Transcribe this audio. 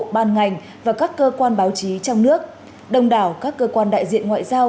ban ngành và các cơ quan báo chí trong nước đông đảo các cơ quan đại diện ngoại giao